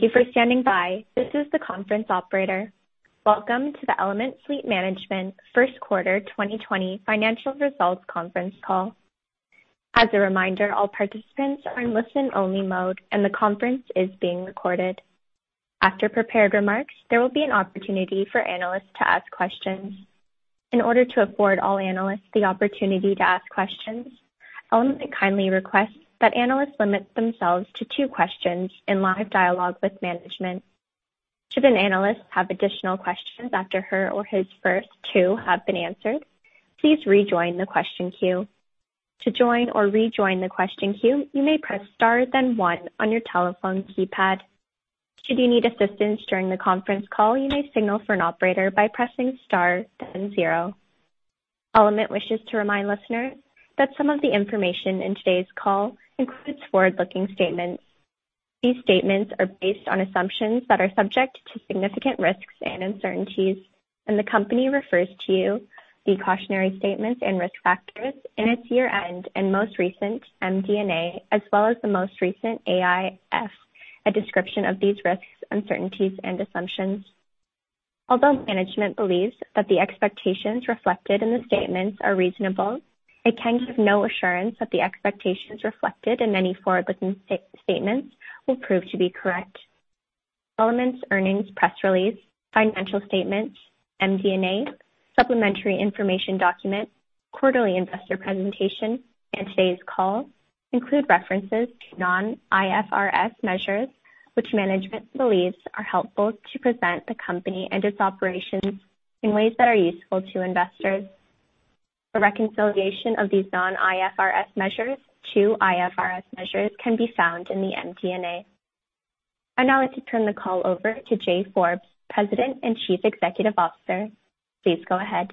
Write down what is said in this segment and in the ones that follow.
Thank you for standing by. This is the conference operator. Welcome to the Element Fleet Management First Quarter 2020 Financial Results Conference Call. As a reminder, all participants are in listen-only mode, and the conference is being recorded. After prepared remarks, there will be an opportunity for analysts to ask questions. In order to afford all analysts the opportunity to ask questions, Element kindly requests that analysts limit themselves to two questions in live dialogue with management. Should an analyst have additional questions after her or his first two have been answered, please rejoin the question queue. To join or rejoin the question queue, you may press star then one on your telephone keypad. Should you need assistance during the conference call, you may signal for an operator by pressing star then zero. Element wishes to remind listeners that some of the information in today's call includes forward-looking statements. These statements are based on assumptions that are subject to significant risks and uncertainties, and the company refers to the cautionary statements and risk factors in its year-end and most recent MD&A, as well as the most recent AIF, a description of these risks, uncertainties, and assumptions. Although management believes that the expectations reflected in the statements are reasonable, it can give no assurance that the expectations reflected in any forward-looking statements will prove to be correct. Element's earnings press release, financial statements, MD&A, supplementary information document, quarterly investor presentation, and today's call include references to non-IFRS measures, which management believes are helpful to present the company and its operations in ways that are useful to investors. A reconciliation of these non-IFRS measures to IFRS measures can be found in the MD&A. I'd now like to turn the call over to Jay Forbes, President and Chief Executive Officer. Please go ahead.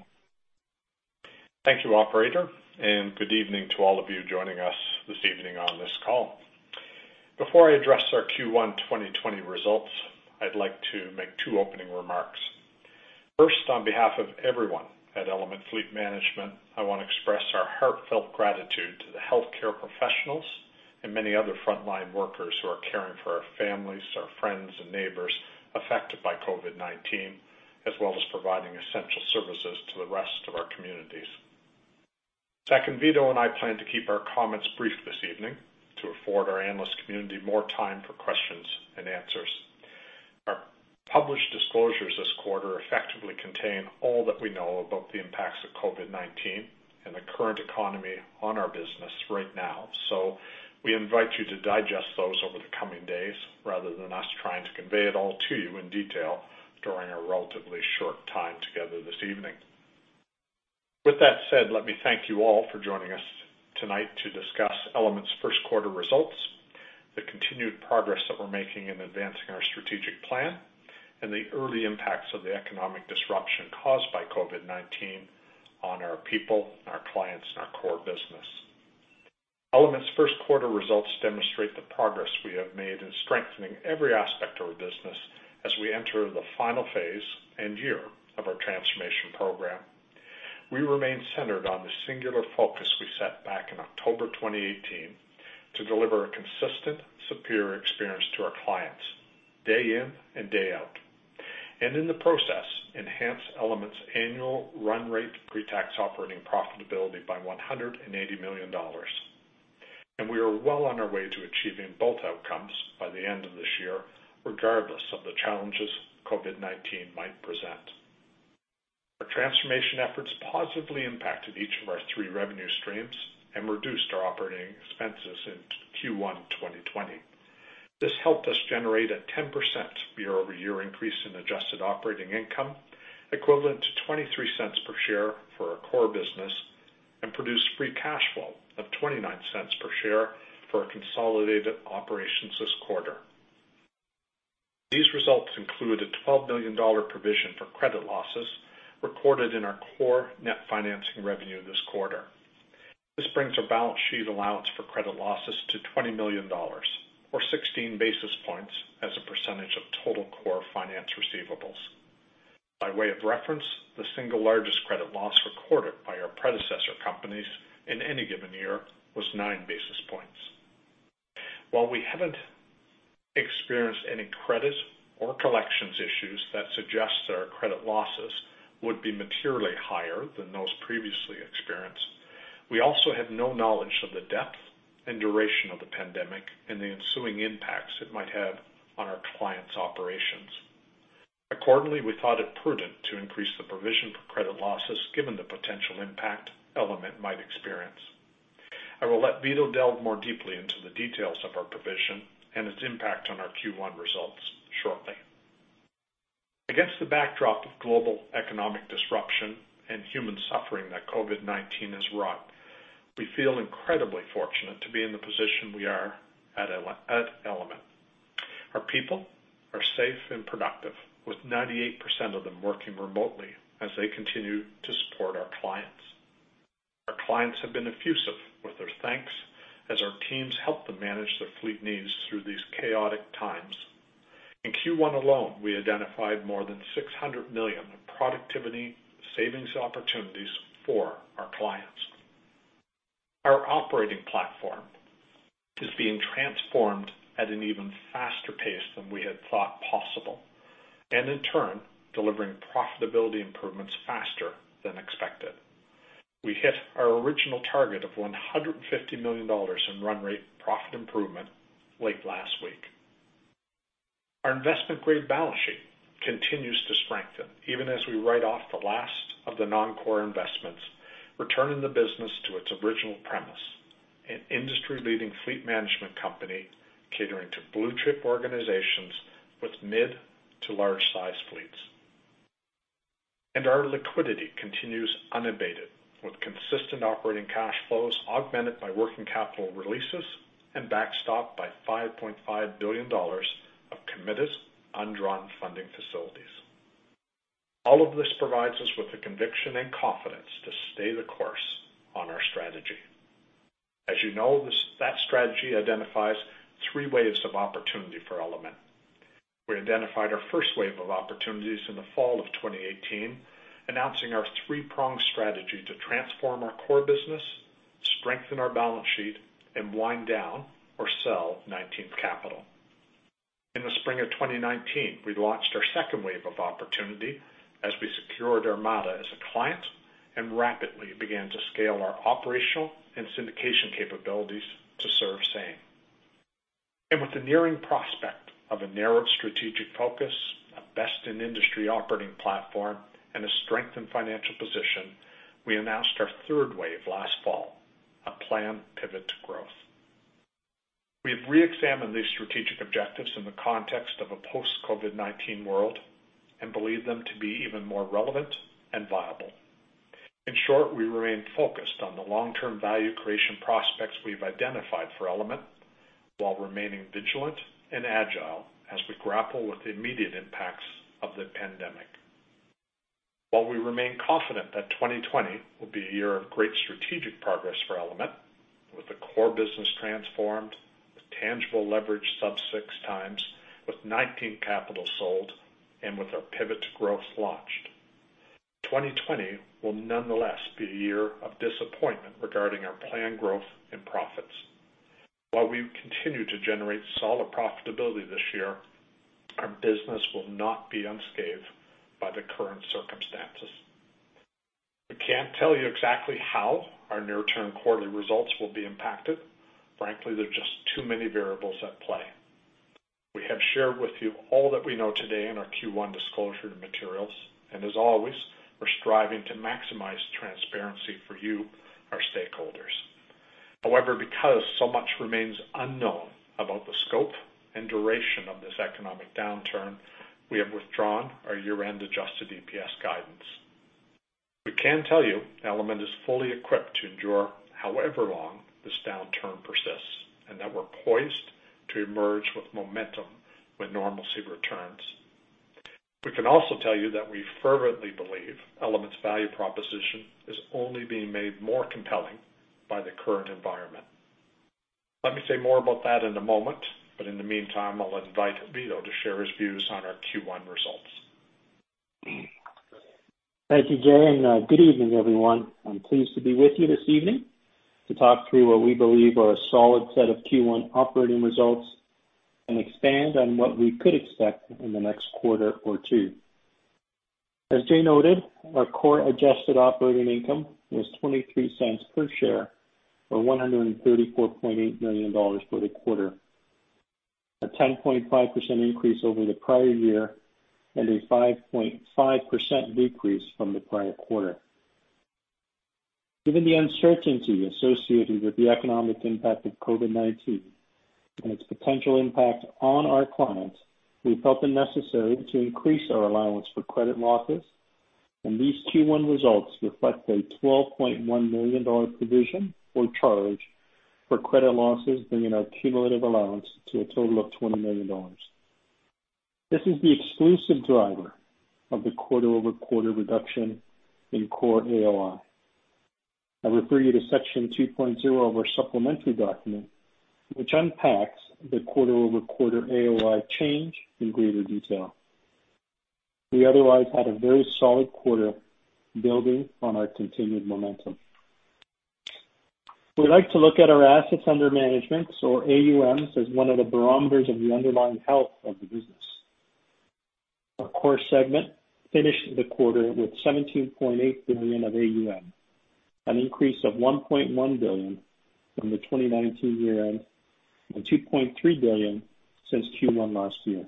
Thank you, operator, and good evening to all of you joining us this evening on this call. Before I address our Q1 2020 results, I'd like to make two opening remarks. First, on behalf of everyone at Element Fleet Management, I want to express our heartfelt gratitude to the healthcare professionals and many other frontline workers who are caring for our families, our friends, and neighbors affected by COVID-19, as well as providing essential services to the rest of our communities. Second, Vito and I plan to keep our comments brief this evening to afford our analyst community more time for questions and answers. Our published disclosures this quarter effectively contain all that we know about the impacts of COVID-19 and the current economy on our business right now. We invite you to digest those over the coming days rather than us trying to convey it all to you in detail during our relatively short time together this evening. With that said, let me thank you all for joining us tonight to discuss Element's first quarter results, the continued progress that we're making in advancing our strategic plan, and the early impacts of the economic disruption caused by COVID-19 on our people, our clients, and our core business. Element's first quarter results demonstrate the progress we have made in strengthening every aspect of our business as we enter the final phase and year of our transformation program. We remain centered on the singular focus we set back in October 2018 to deliver a consistent, superior experience to our clients day in and day out. In the process, enhance Element's annual run rate pre-tax operating profitability by 180 million dollars. We are well on our way to achieving both outcomes by the end of this year, regardless of the challenges COVID-19 might present. Our transformation efforts positively impacted each of our three revenue streams and reduced our operating expenses in Q1 2020. This helped us generate a 10% year-over-year increase in adjusted operating income, equivalent to 0.23 per share for our core business, produced free cash flow of 0.29 per share for our consolidated operations this quarter. These results include a 12 million dollar provision for credit losses recorded in our core net financing revenue this quarter. This brings our balance sheet allowance for credit losses to 20 million dollars or 16 basis points as a percentage of total core finance receivables. By way of reference, the single largest credit loss recorded by our predecessor companies in any given year was nine basis points. While we haven't experienced any credit or collections issues that suggest our credit losses would be materially higher than those previously experienced, we also have no knowledge of the depth and duration of the pandemic and the ensuing impacts it might have on our clients' operations. We thought it prudent to increase the provision for credit losses given the potential impact Element might experience. I will let Vito delve more deeply into the details of our provision and its impact on our Q1 results shortly. Against the backdrop of global economic disruption and human suffering that COVID-19 has wrought, we feel incredibly fortunate to be in the position we are at Element. Our people are safe and productive, with 98% of them working remotely as they continue to support our clients. Our clients have been effusive with their thanks as our teams help them manage their fleet needs through these chaotic times. In Q1 alone, we identified more than 600 million productivity savings opportunities for our clients. Operating platform is being transformed at an even faster pace than we had thought possible, and in turn, delivering profitability improvements faster than expected. We hit our original target of 150 million dollars in run rate profit improvement late last week. Our investment-grade balance sheet continues to strengthen even as we write off the last of the non-core investments, returning the business to its original premise, an industry-leading fleet management company catering to blue-chip organizations with mid to large-size fleets. Our liquidity continues unabated, with consistent operating cash flows augmented by working capital releases and backstopped by 5.5 billion dollars of committed undrawn funding facilities. All of this provides us with the conviction and confidence to stay the course on our strategy. As you know, that strategy identifies three waves of opportunity for Element. We identified our first wave of opportunities in the fall of 2018, announcing our three-pronged strategy to transform our core business, strengthen our balance sheet, and wind down or sell 19th Capital. In the spring of 2019, we launched our second wave of opportunity as we secured Armada as a client and rapidly began to scale our operational and syndication capabilities to serve same. With the nearing prospect of a narrowed strategic focus, a best-in-industry operating platform, and a strengthened financial position, we announced our third wave last fall, a planned pivot to growth. We have reexamined these strategic objectives in the context of a post-COVID-19 world and believe them to be even more relevant and viable. In short, we remain focused on the long-term value creation prospects we've identified for Element while remaining vigilant and agile as we grapple with the immediate impacts of the pandemic. While we remain confident that 2020 will be a year of great strategic progress for Element with the core business transformed, with tangible leverage sub-six times, with 19th Capital sold, and with our pivot to growth launched. 2020 will nonetheless be a year of disappointment regarding our planned growth and profits. While we continue to generate solid profitability this year, our business will not be unscathed by the current circumstances. We can't tell you exactly how our near-term quarterly results will be impacted. Frankly, there are just too many variables at play. We have shared with you all that we know today in our Q1 disclosure materials. As always, we're striving to maximize transparency for you, our stakeholders. However, because so much remains unknown about the scope and duration of this economic downturn, we have withdrawn our year-end adjusted EPS guidance. We can tell you Element is fully equipped to endure however long this downturn persists, that we're poised to emerge with momentum when normalcy returns. We can also tell you that we fervently believe Element's value proposition is only being made more compelling by the current environment. Let me say more about that in a moment. In the meantime, I'll invite Vito to share his views on our Q1 results. Thank you, Jay, and good evening, everyone. I'm pleased to be with you this evening to talk through what we believe are a solid set of Q1 operating results and expand on what we could expect in the next quarter or two. As Jay noted, our core adjusted operating income was 0.23 per share or 134.8 million dollars for the quarter. A 10.5% increase over the prior year and a 5.5% decrease from the prior quarter. Given the uncertainty associated with the economic impact of COVID-19 and its potential impact on our clients, we felt it necessary to increase our allowance for credit losses, and these Q1 results reflect a 12.1 million dollar provision or charge for credit losses, bringing our cumulative allowance to a total of 20 million dollars. This is the exclusive driver of the quarter-over-quarter reduction in core AOI. I refer you to Section 2.0 of our supplementary document, which unpacks the quarter-over-quarter AOI change in greater detail. We otherwise had a very solid quarter building on our continued momentum. We like to look at our assets under management or AUMs as one of the barometers of the underlying health of the business. Our core segment finished the quarter with CAD 17.8 billion of AUM, an increase of CAD 1.1 billion from the 2019 year-end and CAD 2.3 billion since Q1 last year.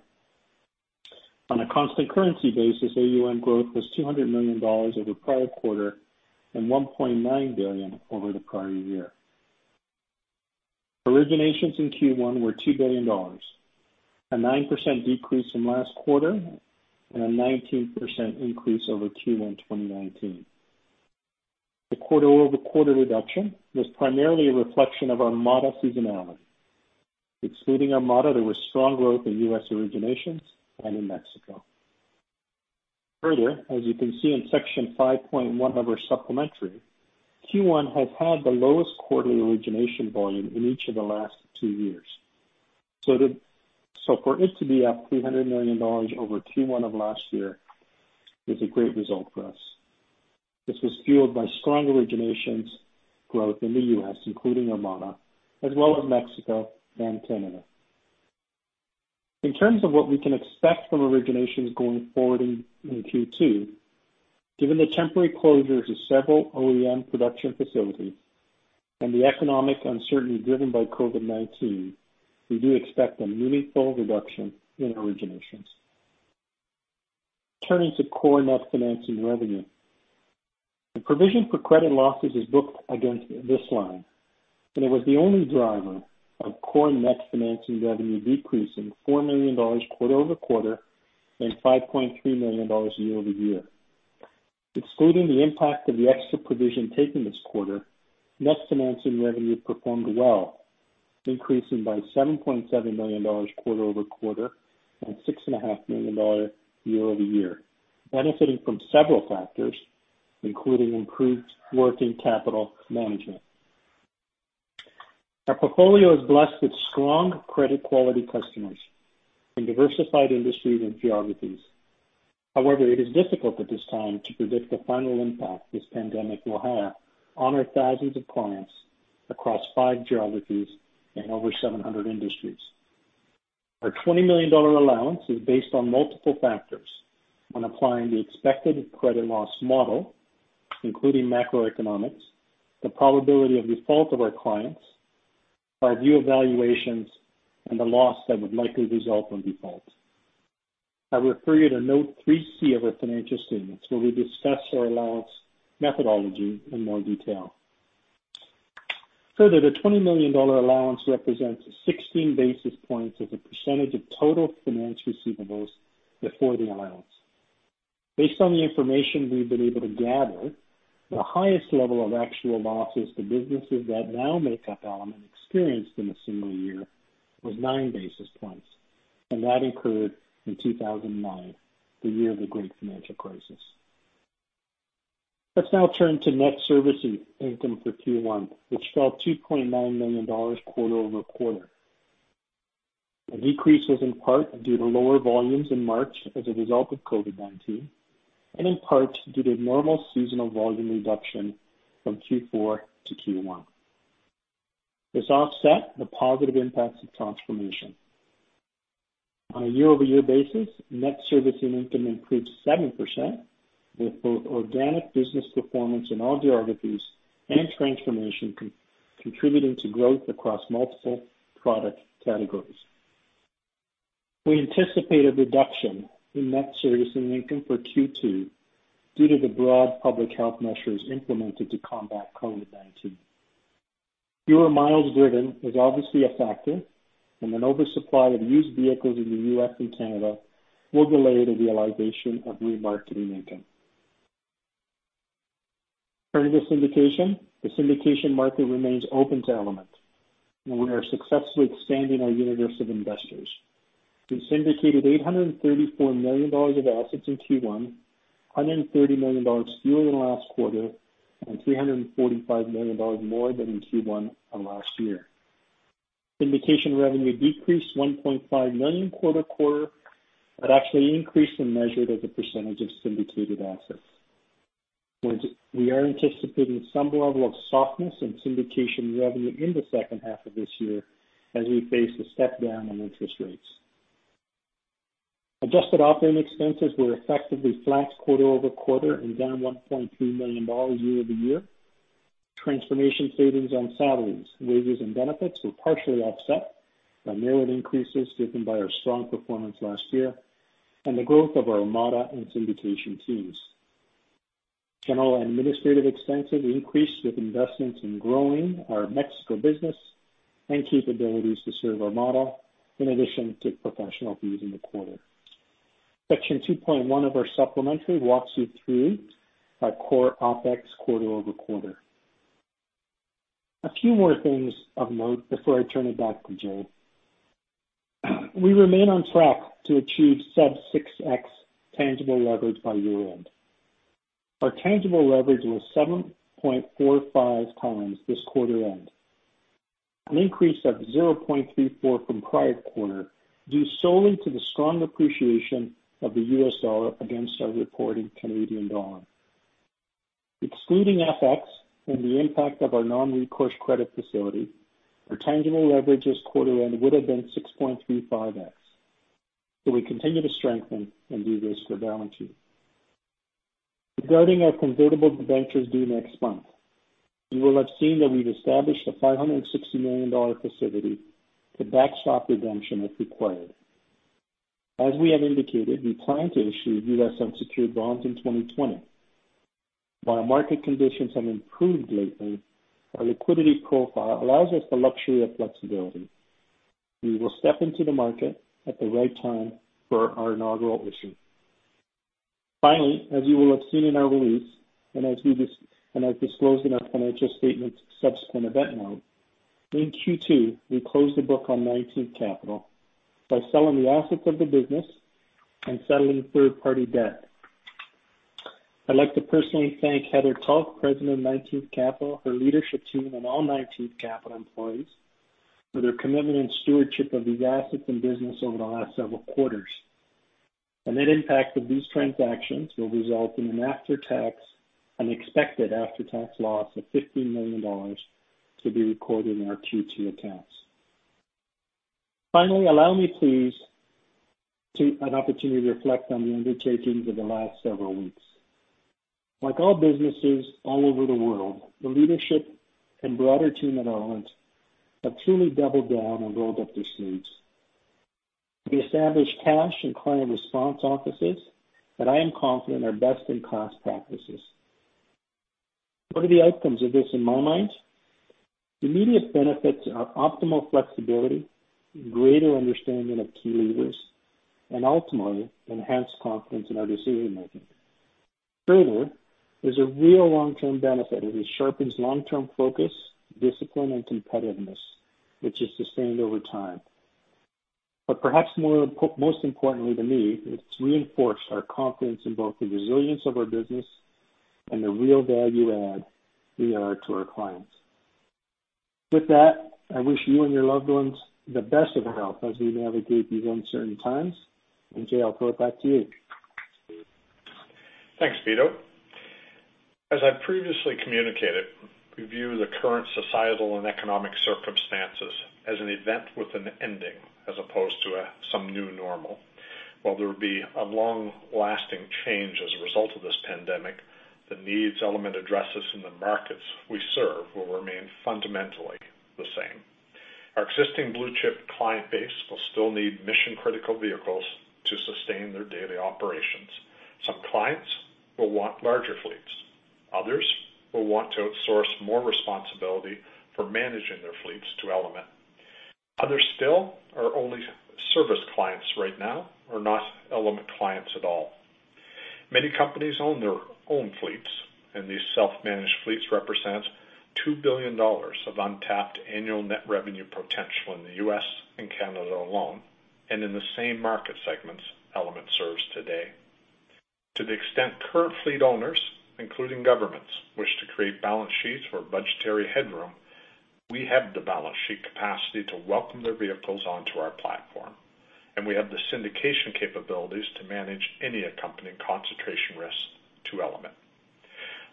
On a constant currency basis, AUM growth was 200 million dollars over the prior quarter and 1.9 billion over the prior year. Originations in Q1 were 2 billion dollars, a 9% decrease from last quarter and a 19% increase over Q1 2019. The quarter-over-quarter reduction was primarily a reflection of Armada seasonality. Excluding Armada, there was strong growth in U.S. originations and in Mexico. Further, as you can see in Section 5.1 of our supplementary, Q1 has had the lowest quarterly origination volume in each of the last two years. For it to be up 300 million dollars over Q1 of last year is a great result for us. This was fueled by strong originations growth in the U.S., including Armada, as well as Mexico and Canada. In terms of what we can expect from originations going forward in Q2, given the temporary closures of several OEM production facilities and the economic uncertainty driven by COVID-19, we do expect a meaningful reduction in originations. Turning to core net financing revenue. The provision for credit losses is booked against this line, and it was the only driver of core net financing revenue decreasing 4 million dollars quarter-over-quarter and 5.3 million dollars year-over-year. Excluding the impact of the extra provision taken this quarter, net financing revenue performed well, increasing by 7.7 million dollars quarter-over-quarter and 6.5 million dollar year-over-year, benefiting from several factors, including improved working capital management. Our portfolio is blessed with strong credit quality customers in diversified industries and geographies. However, it is difficult at this time to predict the final impact this pandemic will have on our thousands of clients across five geographies and over 700 industries. Our 20 million dollar allowance is based on multiple factors when applying the expected credit loss model, including macroeconomics, the probability of default of our clients, our view of valuations, and the loss that would likely result from default. I refer you to Note 3C of our financial statements, where we discuss our allowance methodology in more detail. Further, the 20 million dollar allowance represents 16 basis points as a percentage of total finance receivables before the allowance. Based on the information we've been able to gather, the highest level of actual losses to businesses that now make up Element experienced in a single year was nine basis points, and that occurred in 2009, the year of the great financial crisis. Let's now turn to net servicing income for Q1, which fell CAD 2.9 million quarter-over-quarter. The decrease was in part due to lower volumes in March as a result of COVID-19, and in part due to normal seasonal volume reduction from Q4 to Q1. This offset the positive impacts of transformation. On a year-over-year basis, net servicing income increased 7%, with both organic business performance in all geographies and transformation contributing to growth across multiple product categories. We anticipate a reduction in net servicing income for Q2 due to the broad public health measures implemented to combat COVID-19. Fewer miles driven is obviously a factor, and an oversupply of used vehicles in the U.S. and Canada will delay the realization of remarketing income. Turning to syndication. The syndication market remains open to Element, and we are successfully expanding our universe of investors. We syndicated 834 million dollars of assets in Q1, 130 million dollars fewer than last quarter and 345 million dollars more than in Q1 of last year. Syndication revenue decreased 1.5 million quarter-over-quarter but actually increased when measured as a percentage of syndicated assets. We are anticipating some level of softness in syndication revenue in the second half of this year as we face a step down on interest rates. Adjusted operating expenses were effectively flat quarter-over-quarter and down 1.3 million dollars year-over-year. Transformation savings on salaries, wages, and benefits were partially offset by merit increases driven by our strong performance last year and the growth of our Armada and syndication teams. General and administrative expenses increased with investments in growing our Mexico business and capabilities to serve Armada, in addition to professional fees in the quarter. Section 2.1 of our supplementary walks you through our core OpEx quarter-over-quarter. A few more things of note before I turn it back to Jay. We remain on track to achieve sub 6x tangible leverage by year-end. Our tangible leverage was 7.45x this quarter end, an increase of 0.34 from prior quarter due solely to the strong appreciation of the U.S. dollar against our reporting CAD. Excluding FX and the impact of our non-recourse credit facility, our tangible leverage as quarter end would have been 6.35x. We continue to strengthen and de-risk our balance sheet. Regarding our convertible debentures due next month, you will have seen that we've established a 560 million dollar facility to backstop redemption if required. As we have indicated, we plan to issue U.S. unsecured bonds in 2020. While market conditions have improved lately, our liquidity profile allows us the luxury of flexibility. We will step into the market at the right time for our inaugural issue. As you will have seen in our release and as disclosed in our financial statements subsequent event note, in Q2, we closed the book on 19th Capital by selling the assets of the business and settling third-party debt. I'd like to personally thank Heather Tullo, President of 19th Capital, her leadership team, and all 19th Capital employees for their commitment and stewardship of these assets and business over the last several quarters. The net impact of these transactions will result in an expected after-tax loss of 15 million dollars to be recorded in our Q2 accounts. Allow me, please, an opportunity to reflect on the undertakings of the last several weeks. Like all businesses all over the world, the leadership and broader team at Element have truly doubled down and rolled up their sleeves. We established cash and client response offices that I am confident are best-in-class practices. What are the outcomes of this in my mind? Immediate benefits are optimal flexibility, greater understanding of key levers, and ultimately, enhanced confidence in our decision-making. There's a real long-term benefit as it sharpens long-term focus, discipline, and competitiveness, which is sustained over time. Perhaps most importantly to me, it's reinforced our confidence in both the resilience of our business and the real value add we are to our clients. With that, I wish you and your loved ones the best of health as we navigate these uncertain times, and Jay, I'll throw it back to you. Thanks, Vito. As I previously communicated, we view the current societal and economic circumstances as an event with an ending, as opposed to some new normal. While there will be a long-lasting change as a result of this pandemic, the needs Element addresses in the markets we serve will remain fundamentally the same. Our existing blue-chip client base will still need mission-critical vehicles to sustain their daily operations. Some clients will want larger fleets. Others will want to outsource more responsibility for managing their fleets to Element. Others still are only service clients right now or not Element clients at all. Many companies own their own fleets, and these self-managed fleets represent 2 billion dollars of untapped annual net revenue potential in the U.S. and Canada alone, and in the same market segments Element serves today. To the extent current fleet owners, including governments, wish to create balance sheets for budgetary headroom, we have the balance sheet capacity to welcome their vehicles onto our platform, and we have the syndication capabilities to manage any accompanying concentration risk to Element.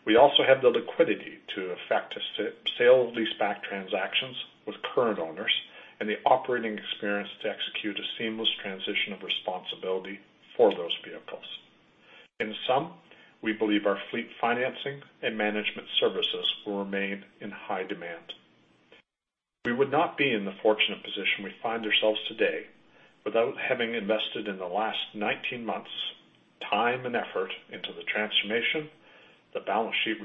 We also have the liquidity to effect a sale-leaseback transactions with current owners and the operating experience to execute a seamless transition of responsibility for those vehicles. In sum, we believe our fleet financing and management services will remain in high demand. We would not be in the fortunate position we find ourselves today without having invested in the last 19 months time and effort into the transformation, the balance sheet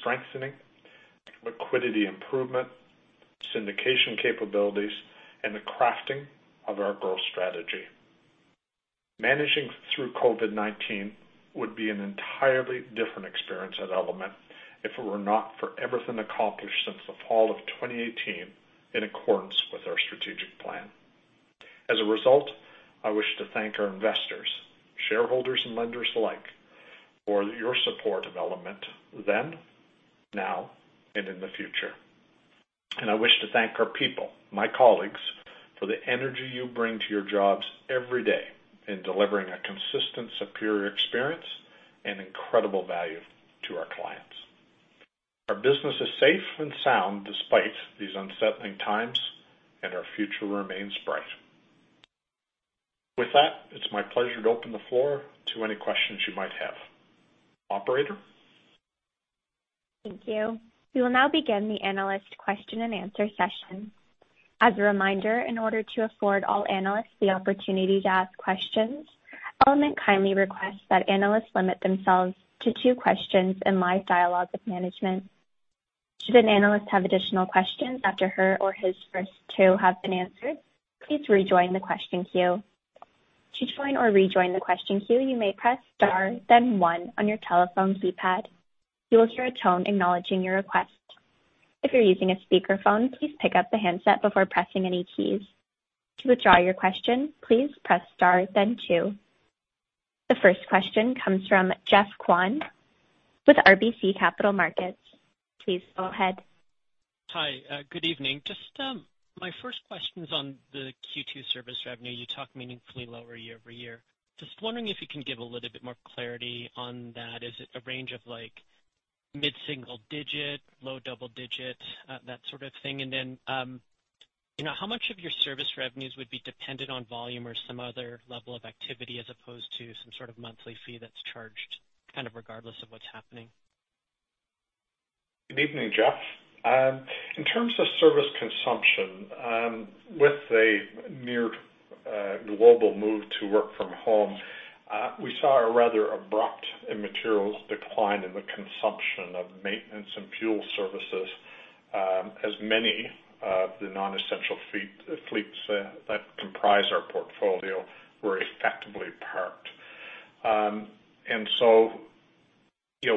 strengthening, liquidity improvement, syndication capabilities, and the crafting of our growth strategy. Managing through COVID-19 would be an entirely different experience at Element if it were not for everything accomplished since the fall of 2018 in accordance with our strategic plan. As a result, I wish to thank our investors, shareholders, and lenders alike for your support of Element then, now, and in the future. I wish to thank our people, my colleagues, for the energy you bring to your jobs every day in delivering a consistent, superior experience and incredible value to our clients. Our business is safe and sound despite these unsettling times, and our future remains bright. With that, it's my pleasure to open the floor to any questions you might have. Operator? Thank you. We will now begin the analyst question-and-answer session. As a reminder, in order to afford all analysts the opportunity to ask questions, Element kindly requests that analysts limit themselves to two questions and live dialogue with management. Should an analyst have additional questions after her or his first two have been answered, please rejoin the question queue. To join or rejoin the question queue, you may press star then one on your telephone keypad. You will hear a tone acknowledging your request. If you're using a speakerphone, please pick up the handset before pressing any keys. To withdraw your question, please press star then two. The first question comes from Geoffrey Kwan with RBC Capital Markets. Please go ahead. Hi. Good evening. Just my first question is on the Q2 service revenue. You talk meaningfully lower year-over-year. Just wondering if you can give a little bit more clarity on that. Is it a range of mid-single digit, low double digit, that sort of thing? Then, how much of your service revenues would be dependent on volume or some other level of activity as opposed to some sort of monthly fee that's charged, kind of regardless of what's happening? Good evening, Geoff. In terms of service consumption, with a near global move to work from home, we saw a rather abrupt immaterial decline in the consumption of maintenance and fuel services, as many of the non-essential fleets that comprise our portfolio were effectively parked.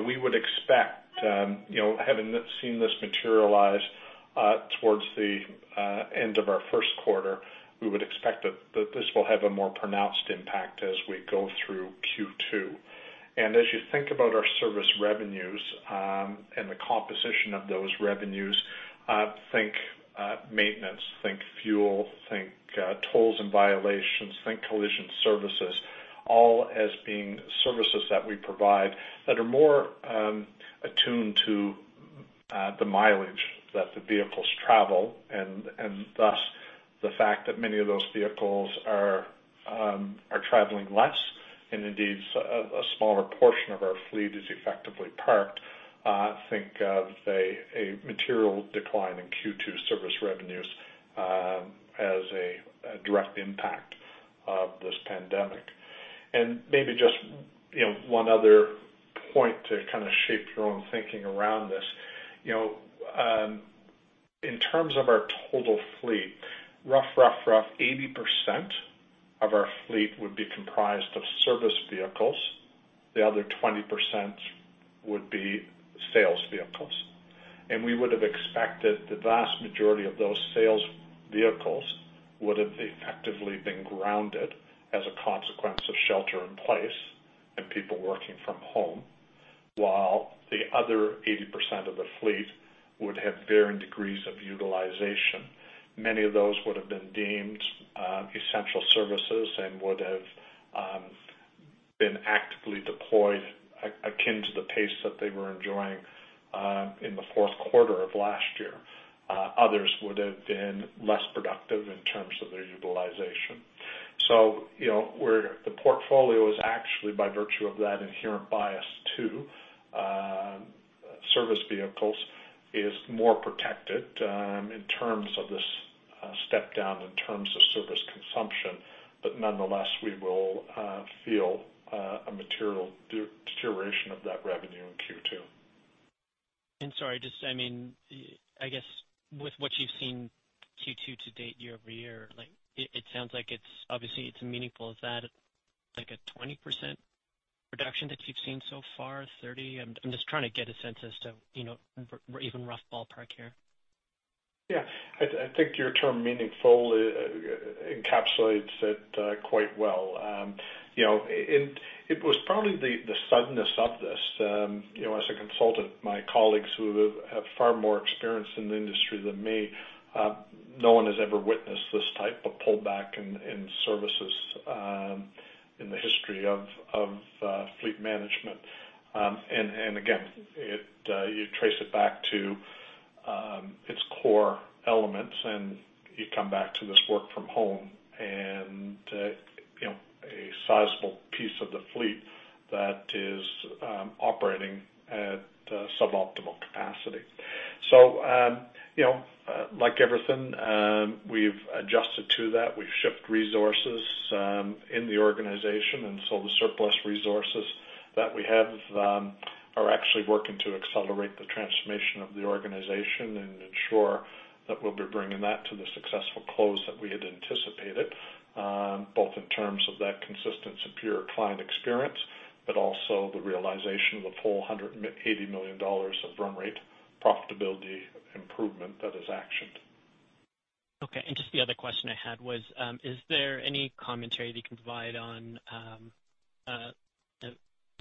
We would expect, having seen this materialize towards the end of our first quarter, we would expect that this will have a more pronounced impact as we go through Q2. As you think about our service revenues and the composition of those revenues, think maintenance, think fuel, think tolls and violations, think collision services, all as being services that we provide that are more attuned to the mileage that the vehicles travel, and thus the fact that many of those vehicles are traveling less and indeed, a smaller portion of our fleet is effectively parked. Think of a material decline in Q2 service revenues as a direct impact of this pandemic. Maybe just one other point to shape your own thinking around this. In terms of our total fleet, rough 80% of our fleet would be comprised of service vehicles. The other 20% would be sales vehicles. We would have expected the vast majority of those sales vehicles would have effectively been grounded as a consequence of shelter in place and people working from home, while the other 80% of the fleet would have varying degrees of utilization. Many of those would have been deemed essential services and would have been actively deployed akin to the pace that they were enjoying in the fourth quarter of last year. Others would have been less productive in terms of their utilization. The portfolio is actually by virtue of that inherent bias to service vehicles is more protected in terms of this step down in terms of service consumption. Nonetheless, we will feel a material deterioration of that revenue in Q2. Sorry, I guess with what you've seen Q2 to date year-over-year, it sounds like it's obviously it's meaningful. Is that like a 20% reduction that you've seen so far? 30? I'm just trying to get a sense as to even rough ballpark here. Yeah. I think your term meaningful encapsulates it quite well. It was probably the suddenness of this. As a consultant, my colleagues who have far more experience in the industry than me, no one has ever witnessed this type of pullback in services in the history of fleet management. Again, you trace it back to its core elements, and you come back to this work from home and a sizable piece of the fleet that is operating at suboptimal capacity. Like everything, we've adjusted to that. We've shipped resources in the organization, and so the surplus resources that we have are actually working to accelerate the transformation of the organization and ensure that we'll be bringing that to the successful close that we had anticipated, both in terms of that consistent, superior client experience, but also the realization of the full 180 million dollars of run rate profitability improvement that is actioned. Okay. Just the other question I had was, is there any commentary that you can provide on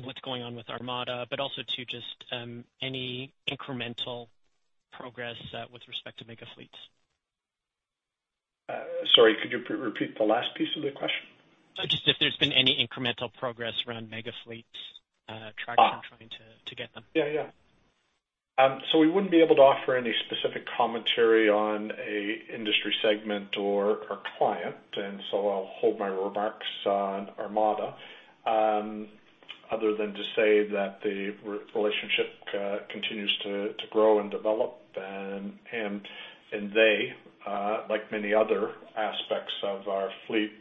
what's going on with Armada, but also to just any incremental progress with respect to mega fleets? Sorry, could you repeat the last piece of the question? If there's been any incremental progress around mega fleets traction trying to get them. Yeah. We wouldn't be able to offer any specific commentary on a industry segment or client. I'll hold my remarks on Armada other than to say that the relationship continues to grow and develop, and they like many other aspects of our fleet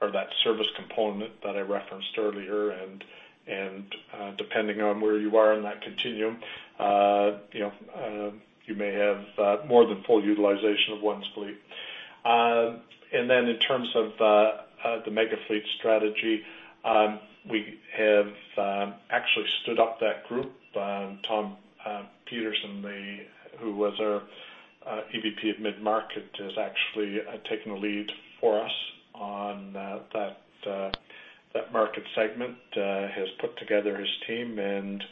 or that service component that I referenced earlier, and depending on where you are in that continuum, you may have more than full utilization of one's fleet. In terms of the mega fleet strategy we have actually stood up that group. Tom Peterson, who was our EVP of Mid-Market, has actually taken a lead for us on that market segment, has put together his team, and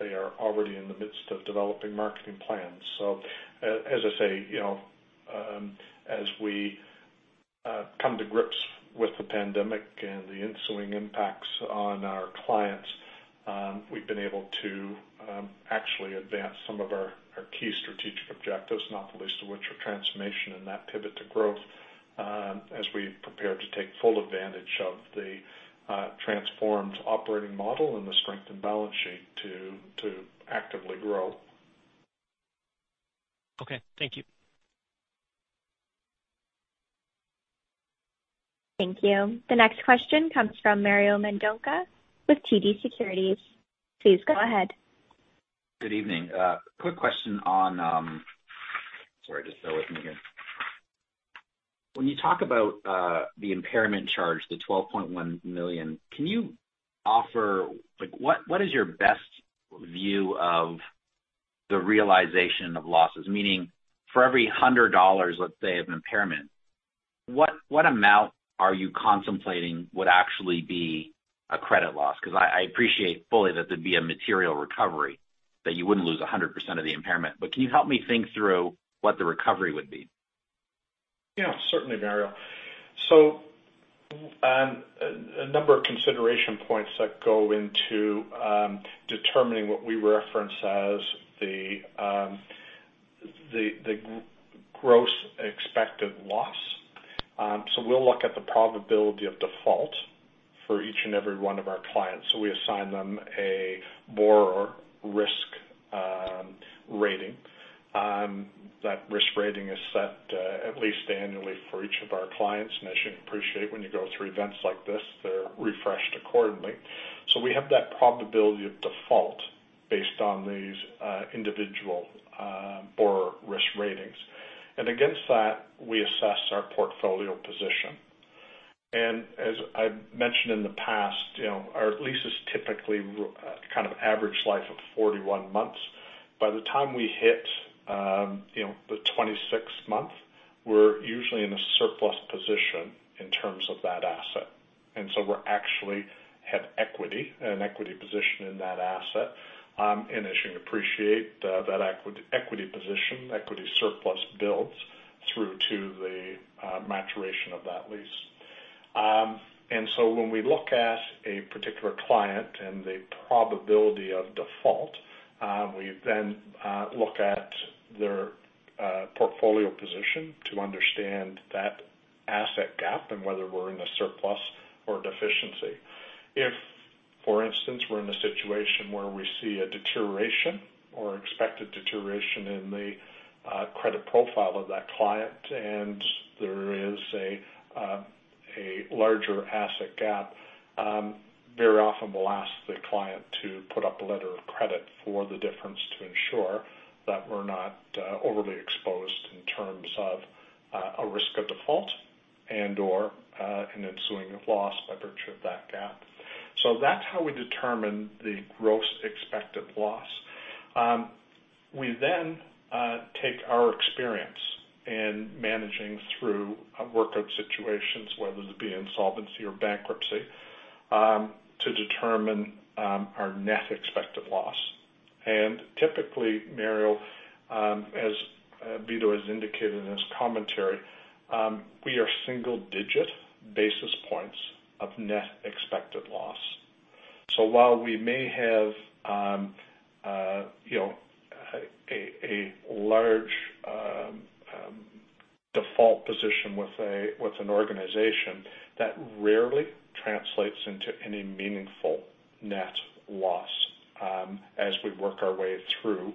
they are already in the midst of developing marketing plans. As I say, as we come to grips with the pandemic and the ensuing impacts on our clients, we've been able to actually advance some of our key strategic objectives, not the least of which are transformation and that pivot to growth as we prepare to take full advantage of the transformed operating model and the strength and balance sheet to actively grow. Okay. Thank you. Thank you. The next question comes from Mario Mendonca with TD Securities. Please go ahead. Good evening. Quick question. Sorry, just bear with me again. When you talk about the impairment charge, the 12.1 million, what is your best view of the realization of losses? Meaning, for every 100 dollars, let's say, of impairment, what amount are you contemplating would actually be a credit loss? Because I appreciate fully that there'd be a material recovery, that you wouldn't lose 100% of the impairment. Can you help me think through what the recovery would be? Yeah. Certainly, Mario. A number of consideration points that go into determining what we reference as the gross expected loss. We'll look at the probability of default for each and every one of our clients. We assign them a borrower risk rating. That risk rating is set at least annually for each of our clients. As you appreciate, when you go through events like this, they're refreshed accordingly. We have that probability of default based on these individual borrower risk ratings. Against that, we assess our portfolio position. As I've mentioned in the past, our lease is typically kind of average life of 41 months. By the time we hit the 26th month, we're usually in a surplus position in terms of that asset. We actually have equity and equity position in that asset. As you appreciate, that equity position, equity surplus builds through to the maturation of that lease. When we look at a particular client and the probability of default, we then look at their portfolio position to understand that asset gap and whether we're in a surplus or deficiency. If, for instance, we're in a situation where we see a deterioration or expected deterioration in the credit profile of that client and there is a larger asset gap, very often we'll ask the client to put up a letter of credit for the difference to ensure that we're not overly exposed in terms of a risk of default and/or an ensuing of loss by virtue of that gap. That's how we determine the gross expected loss. We take our experience in managing through workout situations, whether it be insolvency or bankruptcy, to determine our net expected loss. Typically, Mario, as Vito has indicated in his commentary, we are single-digit basis points of net expected loss. While we may have a large default position with an organization, that rarely translates into any meaningful net loss as we work our way through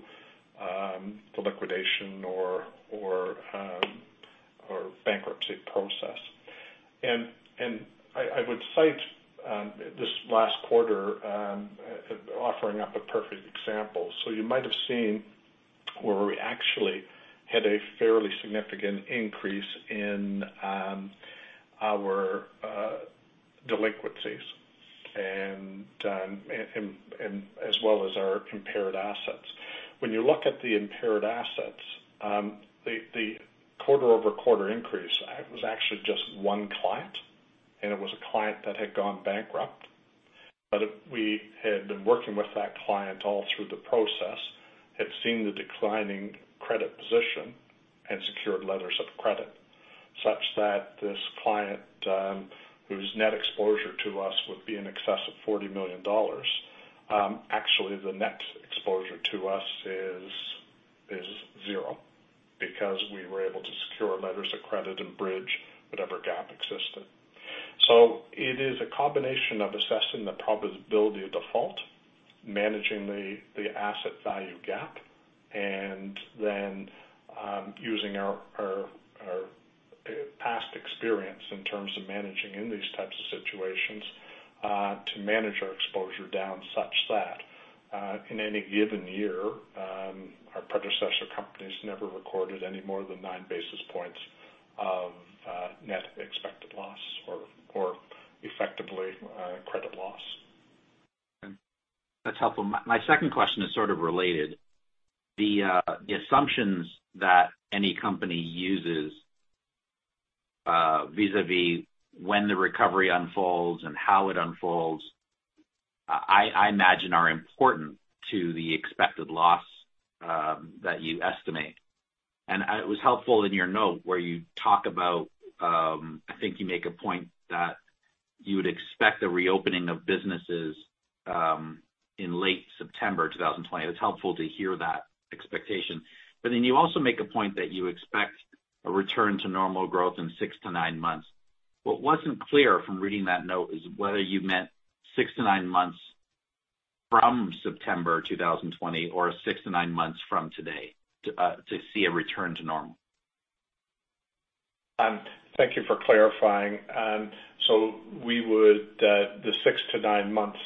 the liquidation or bankruptcy process. I would cite this last quarter offering up a perfect example. You might have seen where we actually had a fairly significant increase in our delinquencies and as well as our impaired assets. When you look at the impaired assets, the quarter-over-quarter increase was actually just one client, and it was a client that had gone bankrupt. We had been working with that client all through the process, had seen the declining credit position and secured letters of credit such that this client, whose net exposure to us would be in excess of 40 million dollars, actually the net exposure to us is zero because we were able to secure letters of credit and bridge whatever gap existed. It is a combination of assessing the probability of default, managing the asset value gap, and then using our past experience in terms of managing in these types of situations to manage our exposure down such that in any given year, our predecessor companies never recorded any more than nine basis points of net expected loss or effectively credit loss. That's helpful. My second question is sort of related. The assumptions that any company uses vis-a-vis when the recovery unfolds and how it unfolds, I imagine are important to the expected loss that you estimate. It was helpful in your note where I think you make a point that you would expect a reopening of businesses in late September 2020. It's helpful to hear that expectation. You also make a point that you expect a return to normal growth in six to nine months. What wasn't clear from reading that note is whether you meant six to nine months from September 2020 or six to nine months from today to see a return to normal? Thank you for clarifying. The six to nine months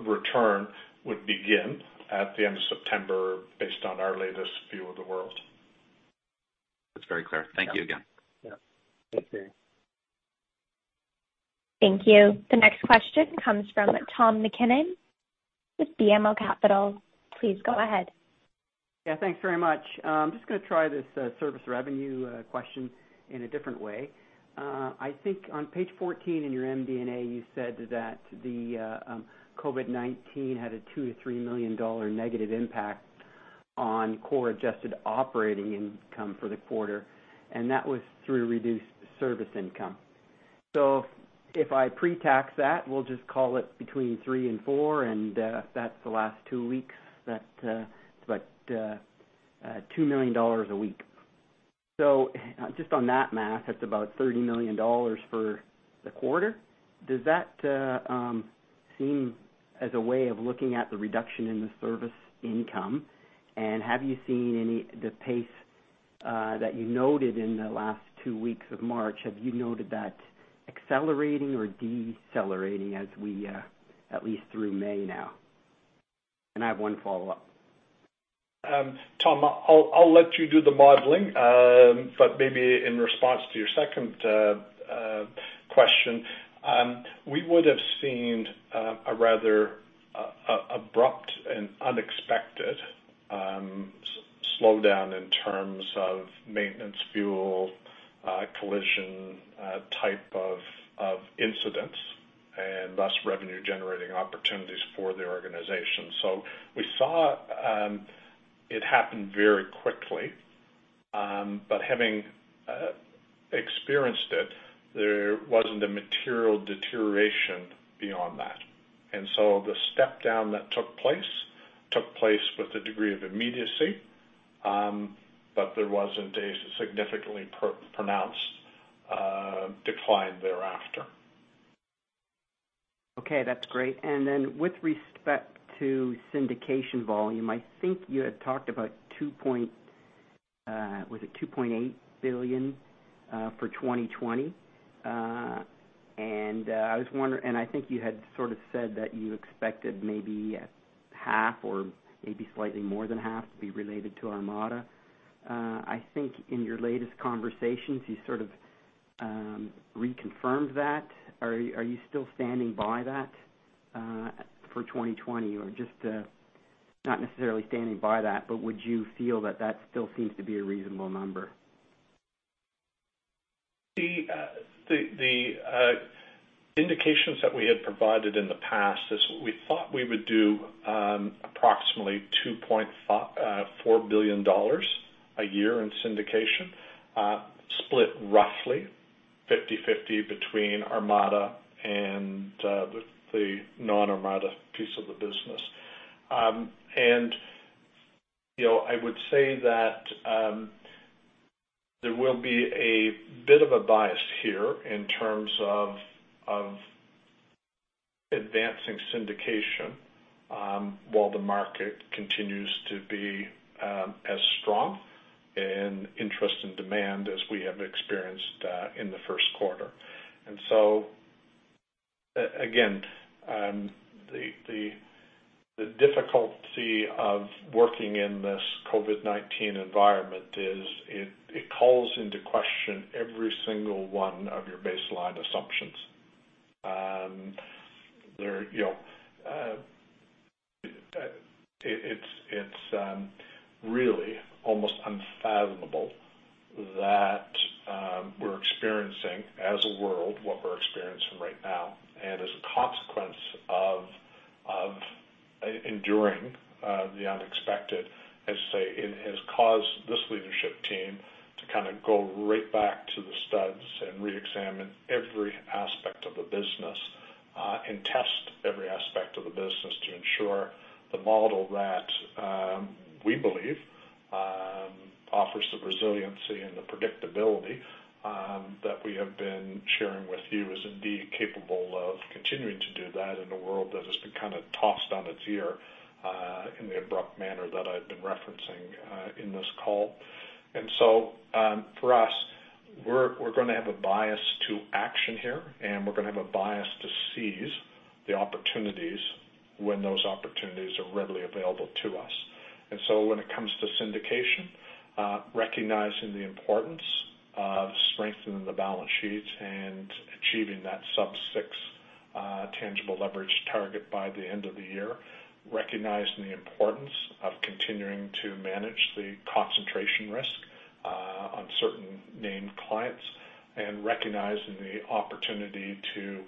return would begin at the end of September based on our latest view of the world. That's very clear. Thank you again. Yeah. Thank you. Thank you. The next question comes from Tom MacKinnon with BMO Capital. Please go ahead. Yeah. Thanks very much. I'm just going to try this service revenue question in a different way. I think on page 14 in your MD&A, you said that the COVID-19 had a 2 million to 3 million dollar negative impact on core adjusted operating income for the quarter, and that was through reduced service income. If I pre-tax that, we'll just call it between three and four, and that's the last two weeks, that's about 2 million dollars a week. Just on that math, that's about 30 million dollars for the quarter. Does that seem as a way of looking at the reduction in the service income? Have you seen the pace that you noted in the last two weeks of March, have you noted that accelerating or decelerating as we, at least through May now? I have one follow-up. Tom, I'll let you do the modeling. Maybe in response to your second question. We would have seen a rather abrupt and unexpected slowdown in terms of maintenance, fuel, collision type of incidents, and thus revenue generating opportunities for the organization. We saw it happened very quickly. Having experienced it, there wasn't a material deterioration beyond that. The step down that took place, took place with a degree of immediacy, but there wasn't a significantly pronounced decline thereafter. Okay, that's great. With respect to syndication volume, I think you had talked about 2.8 billion for 2020? I think you had sort of said that you expected maybe half or maybe slightly more than half to be related to Armada. I think in your latest conversations, you sort of reconfirmed that. Are you still standing by that for 2020? Just not necessarily standing by that, but would you feel that that still seems to be a reasonable number? The indications that we had provided in the past is, we thought we would do approximately 2.4 billion dollars a year in syndication. Split roughly 50/50 between Armada and the non-Armada piece of the business. I would say that there will be a bit of a bias here in terms of advancing syndication while the market continues to be as strong in interest and demand as we have experienced in the first quarter. Again, the difficulty of working in this COVID-19 environment is it calls into question every single one of your baseline assumptions. It's really almost unfathomable that we're experiencing as a world what we're experiencing right now. As a consequence of enduring the unexpected, as you say, it has caused this leadership team to kind of go right back to the studs and reexamine every aspect of the business. Test every aspect of the business to ensure the model that we believe offers the resiliency and the predictability that we have been sharing with you is indeed capable of continuing to do that in a world that has been kind of tossed on its ear in the abrupt manner that I've been referencing in this call. For us, we're going to have a bias to action here. We're going to have a bias to seize the opportunities when those opportunities are readily available to us. When it comes to syndication, recognizing the importance of strengthening the balance sheets and achieving that sub six tangible leverage target by the end of the year. Recognizing the importance of continuing to manage the concentration risk on certain named clients and recognizing the opportunity to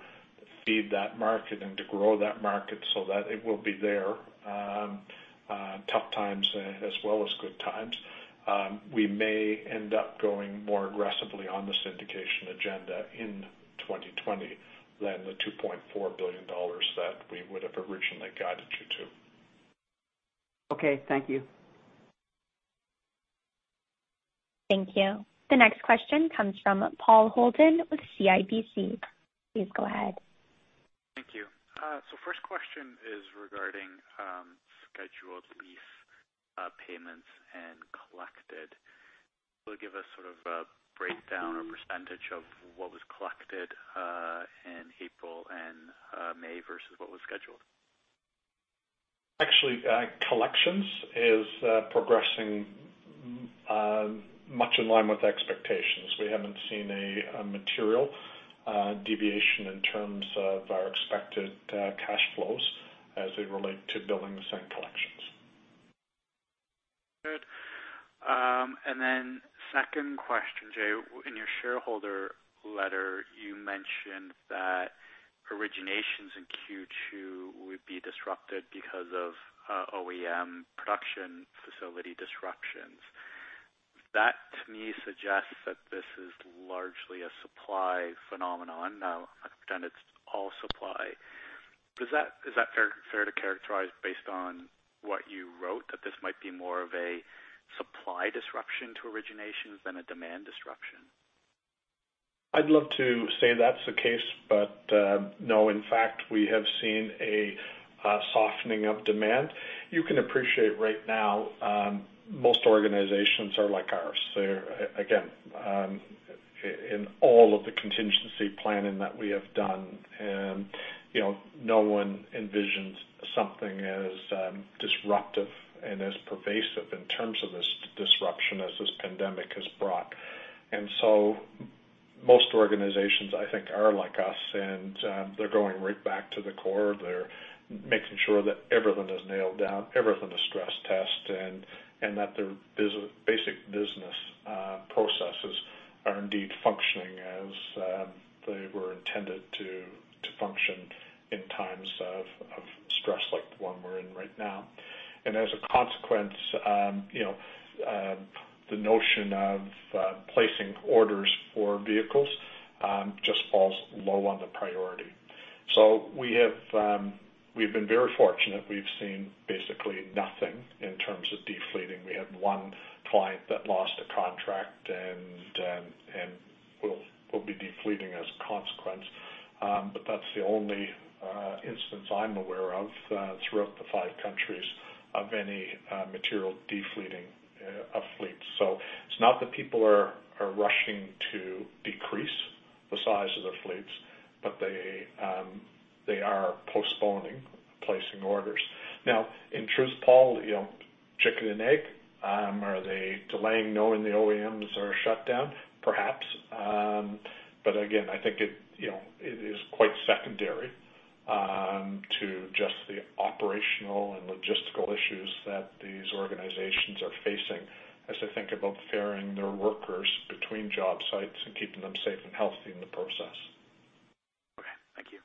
feed that market and to grow that market so that it will be there in tough times as well as good times. We may end up going more aggressively on the syndication agenda in 2020 than the 2.4 billion dollars that we would have originally guided you to. Okay. Thank you. Thank you. The next question comes from Paul Holden with CIBC. Please go ahead. Thank you. First question is regarding scheduled lease payments and collected. Will you give us sort of a breakdown or percentage of what was collected in April and May versus what was scheduled? Actually, collections is progressing much in line with expectations. We haven't seen a material deviation in terms of our expected cash flows as they relate to billing the same collections. Good. Second question, Jay. In your shareholder letter, you mentioned that originations in Q2 would be disrupted because of OEM production facility disruptions. That, to me, suggests that this is largely a supply phenomenon. Now, I pretend it's all supply. Is that fair to characterize based on what you wrote, that this might be more of a supply disruption to originations than a demand disruption? I'd love to say that's the case, but no. In fact, we have seen a softening of demand. You can appreciate right now, most organizations are like ours. Again, in all of the contingency planning that we have done, no one envisions something as disruptive and as pervasive in terms of this disruption as this pandemic has brought. Most organizations, I think, are like us, and they're going right back to the core. They're making sure that everything is nailed down, everything is stress-tested, and that their basic business processes are indeed functioning as they were intended to function in times of stress like the one we're in right now. As a consequence, the notion of placing orders for vehicles just falls low on the priority. We've been very fortunate. We've seen basically nothing in terms of defleeting. We had one client that lost a contract, and we'll be defleeting as a consequence. That's the only instance I'm aware of throughout the five countries of any material defleeting of fleets. It's not that people are rushing to decrease the size of their fleets, but they are postponing placing orders. Now, in truth, Paul, chicken and egg. Are they delaying knowing the OEMs are shut down? Perhaps. Again, I think it is quite secondary to just the operational and logistical issues that these organizations are facing as they think about ferrying their workers between job sites and keeping them safe and healthy in the process. Okay, thank you.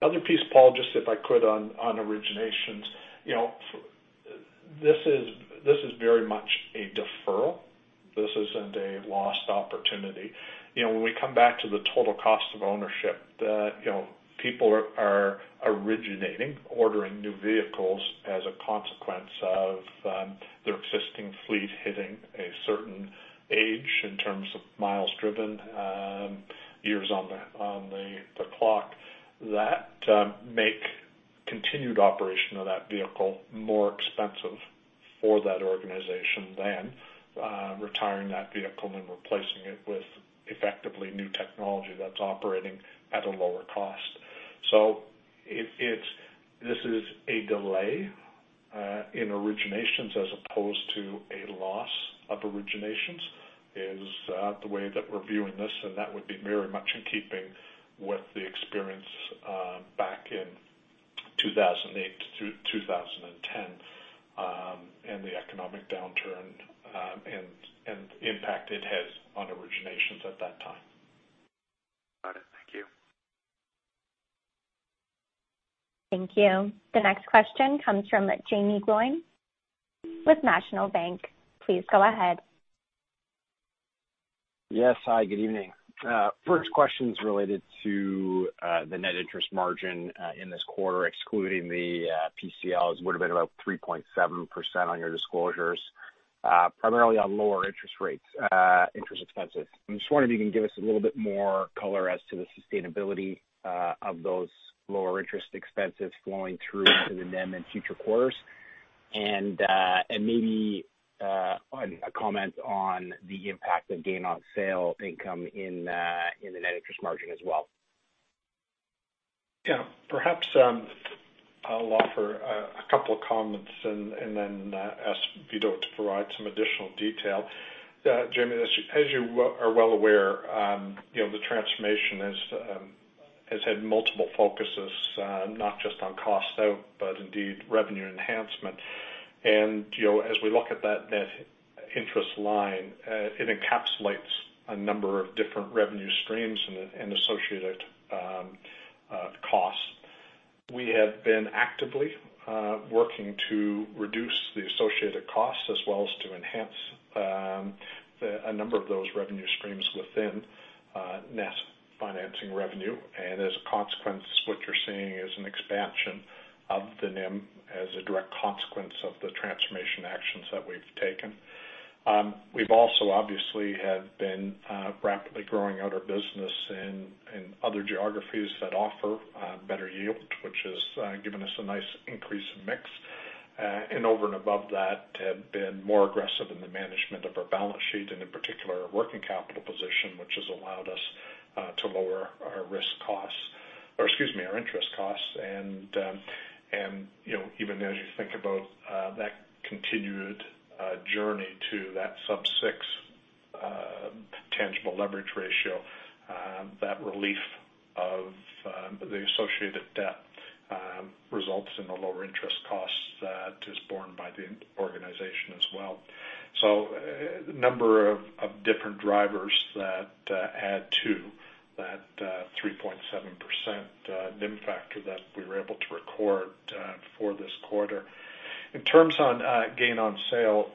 The other piece, Paul, just if I could on originations. This is very much a deferral. This isn't a lost opportunity. When we come back to the total cost of ownership, people are originating, ordering new vehicles as a consequence of their existing fleet hitting a certain age in terms of miles driven, years on the clock that make continued operation of that vehicle more expensive for that organization than retiring that vehicle and replacing it with effectively new technology that's operating at a lower cost. This is a delay in originations as opposed to a loss of originations, is the way that we're viewing this, and that would be very much in keeping with the experience back in 2008 to 2010, and the economic downturn, and impact it has on originations at that time. Got it. Thank you. Thank you. The next question comes from Jaeme Gloyn with National Bank. Please go ahead. Yes. Hi, good evening. First question is related to the net interest margin in this quarter, excluding the PCLs would've been about 3.7% on your disclosures, primarily on lower interest rates, interest expenses. I'm just wondering if you can give us a little bit more color as to the sustainability of those lower interest expenses flowing through into the NIM in future quarters, and maybe a comment on the impact of gain on sale income in the net interest margin as well. Yeah. Perhaps I'll offer a couple of comments and then ask Vito to provide some additional detail. Jaeme, as you are well aware, the transformation has had multiple focuses, not just on cost out, but indeed revenue enhancement. As we look at that net interest line, it encapsulates a number of different revenue streams and associated costs. We have been actively working to reduce the associated costs as well as to enhance a number of those revenue streams within net financing revenue. As a consequence, what you're seeing is an expansion of the NIM as a direct consequence of the transformation actions that we've taken. We've also, obviously, have been rapidly growing out our business in other geographies that offer better yield, which has given us a nice increase in mix. Over and above that, have been more aggressive in the management of our balance sheet and in particular, our working capital position, which has allowed us to lower our interest costs. Even as you think about that continued journey to that sub six tangible leverage ratio, that relief of the associated debt results in the lower interest costs that is borne by the organization as well. A number of different drivers that add to that 3.7% NIM factor that we were able to record for this quarter. In terms on gain on sale,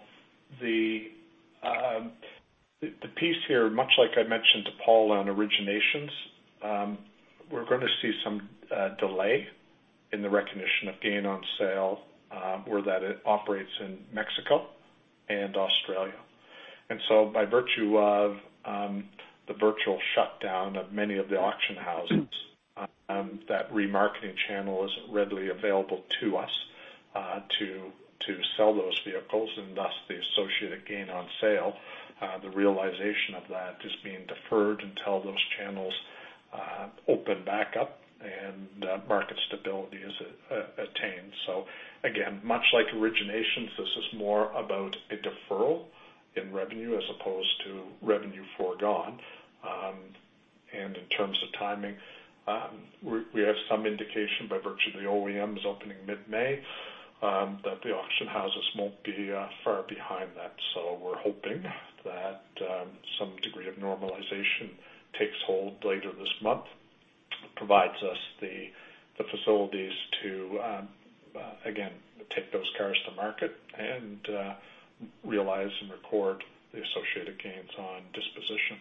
the piece here, much like I mentioned to Paul on originations, we're going to see some delay in the recognition of gain on sale where that it operates in Mexico and Australia. By virtue of the virtual shutdown of many of the auction houses, that remarketing channel isn't readily available to us to sell those vehicles and thus the associated gain on sale. The realization of that is being deferred until those channels open back up and market stability is attained. Again, much like originations, this is more about a deferral in revenue as opposed to revenue foregone. In terms of timing, we have some indication by virtue of the OEMs opening mid-May, that the auction houses won't be far behind that. We're hoping that some degree of normalization takes hold later this month, provides us the facilities to, again, take those cars to market and realize and record the associated gains on disposition.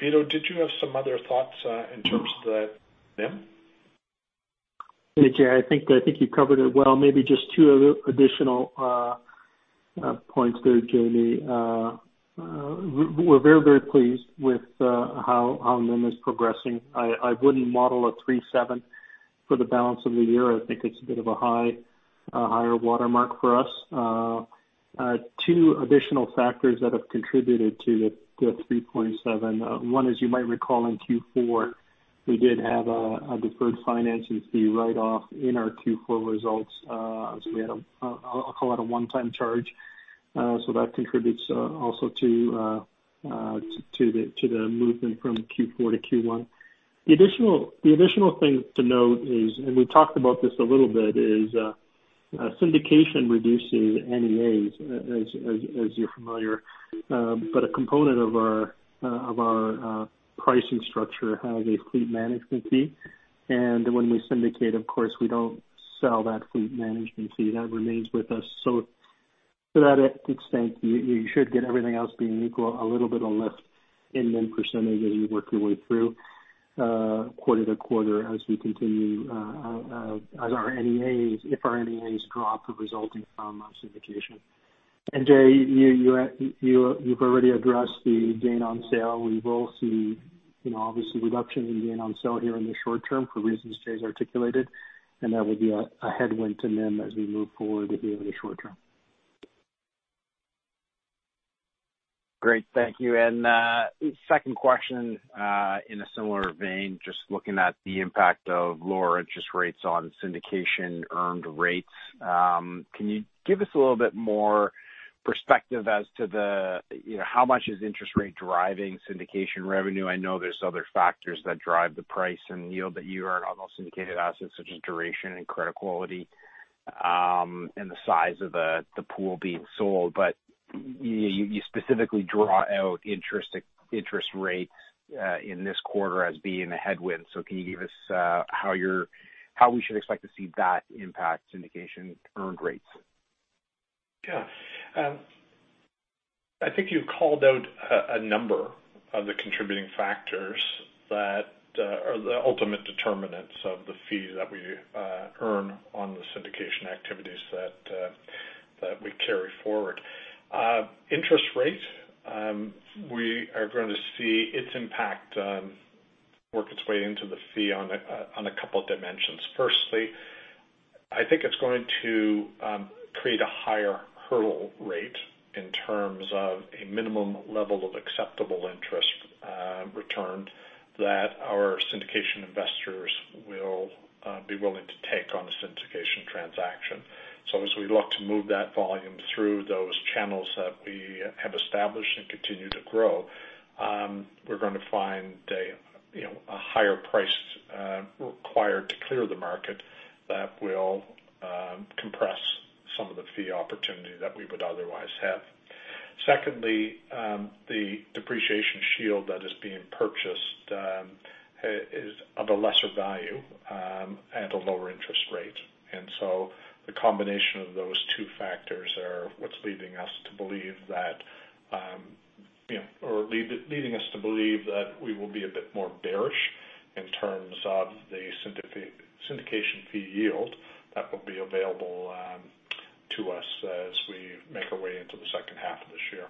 Vito, did you have some other thoughts in terms of that NIM? Hey, Jay, I think you covered it well. Maybe just two other additional points there, Jaeme. We're very, very pleased with how NIM is progressing. I wouldn't model a 3.7 for the balance of the year. I think it's a bit of a higher watermark for us. Two additional factors that have contributed to the 3.7. One, as you might recall in Q4, we did have a deferred financing fee write-off in our Q4 results. We had, I'll call it a one-time charge. That contributes also to the movement from Q4 to Q1. The additional thing to note is, we talked about this a little bit, is syndication reduces NEAs, as you're familiar. A component of our pricing structure has a fleet management fee. When we syndicate, of course, we don't sell that fleet management fee. That remains with us. To that extent, you should get everything else being equal, a little bit on lift in NIM % as you work your way through quarter to quarter as our NEAs, if our NEAs drop resulting from syndication. Jay, you've already addressed the gain on sale. We will see obviously reduction in gain on sale here in the short term for reasons Jay's articulated, and that will be a headwind to NIM as we move forward here in the short term. Great. Thank you. Second question in a similar vein, just looking at the impact of lower interest rates on syndication earned rates. Can you give us a little bit more perspective as to how much is interest rate driving syndication revenue? I know there's other factors that drive the price and yield that you earn on those syndicated assets, such as duration and credit quality, and the size of the pool being sold. You specifically draw out interest rates in this quarter as being a headwind. Can you give us how we should expect to see that impact syndication earned rates? Yeah. I think you've called out a number of the contributing factors that are the ultimate determinants of the fee that we earn on the syndication activities that we carry forward. Interest rate we are going to see its impact work its way into the fee on a couple of dimensions. Firstly, I think it's going to create a higher hurdle rate in terms of a minimum level of acceptable interest returned that our syndication investors will be willing to take on a syndication transaction. As we look to move that volume through those channels that we have established and continue to grow, we're going to find a higher price required to clear the market that will compress some of the fee opportunity that we would otherwise have. Secondly, the depreciation shield that is being purchased is of a lesser value at a lower interest rate. The combination of those two factors are what's leading us to believe that we will be a bit more bearish in terms of the syndication fee yield that will be available to us as we make our way into the second half of this year.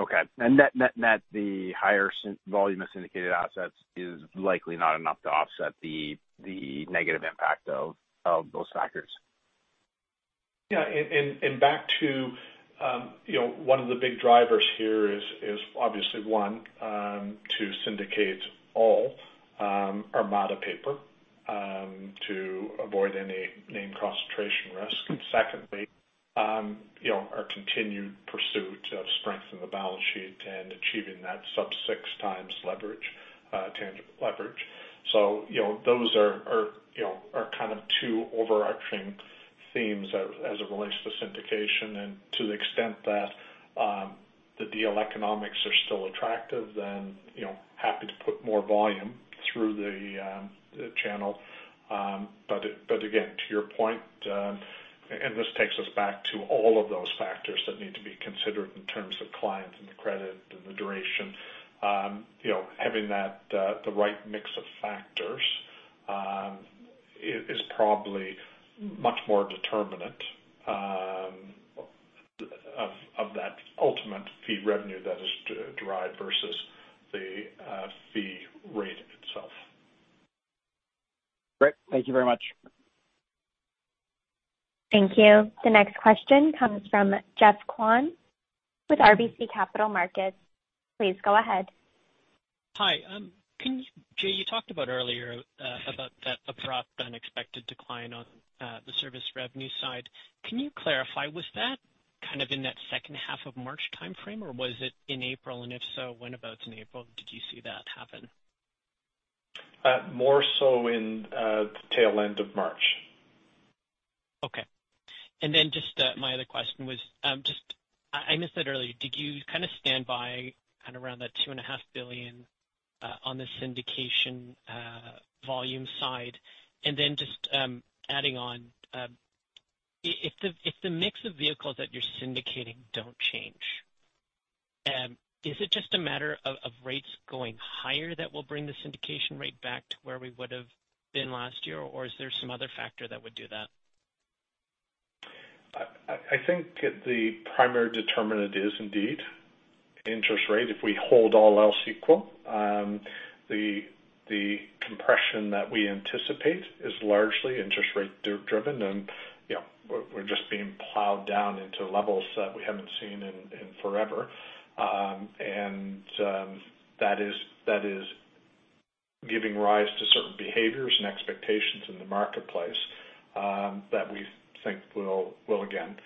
Okay. Net-net, the higher volume of syndicated assets is likely not enough to offset the negative impact of those factors? Yeah. One of the big drivers here is obviously, one, to syndicate all Armada paper to avoid any name concentration risk. Secondly, our continued pursuit of strengthening the balance sheet and achieving that sub 6x tangible leverage. Those are kind of two overarching themes as it relates to syndication. To the extent that the deal economics are still attractive, then happy to put more volume through the channel. Again, to your point, and this takes us back to all of those factors that need to be considered in terms of client and the credit and the duration. Having the right mix of factors, is probably much more determinant of that ultimate fee revenue that is derived versus the fee rate itself. Great. Thank you very much. Thank you. The next question comes from Geoffrey Kwan with RBC Capital Markets. Please go ahead. Hi. Jay, you talked about earlier about that abrupt, unexpected decline on the service revenue side. Can you clarify, was that kind of in that second half of March timeframe, or was it in April? If so, when about in April did you see that happen? More so in the tail end of March. Okay. My other question was, I missed that earlier. Did you kind of stand by kind of around that 2.5 billion on the syndication volume side? Adding on, if the mix of vehicles that you're syndicating don't change, is it just a matter of rates going higher that will bring the syndication rate back to where we would've been last year, or is there some other factor that would do that? I think the primary determinant is indeed interest rate. If we hold all else equal, the compression that we anticipate is largely interest rate driven, and we're just being plowed down into levels that we haven't seen in forever. That is giving rise to certain behaviors and expectations in the marketplace that we think will again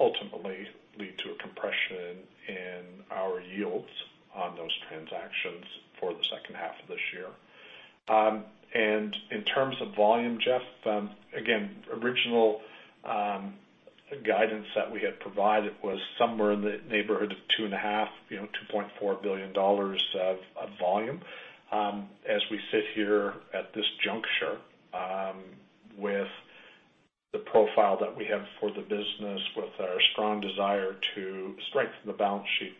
ultimately lead to a compression in our yields on those transactions for the second half of this year. In terms of volume, Geoff, again, original guidance that we had provided was somewhere in the neighborhood of 2.5 billion, 2.4 billion dollars of volume. As we sit here at this juncture with the profile that we have for the business, with our strong desire to strengthen the balance sheet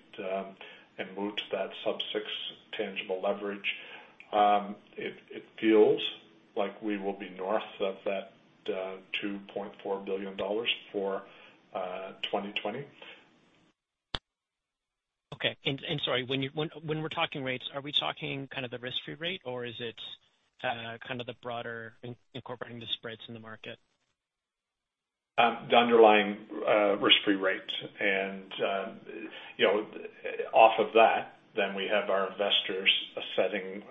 and move to that sub six tangible leverage, it feels like we will be north of that 2.4 billion dollars for 2020. Okay. Sorry, when we're talking rates, are we talking kind of the risk-free rate, or is it kind of the broader incorporating the spreads in the market? The underlying risk-free rate. Off of that, then we have our investors setting